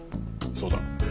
そうだ。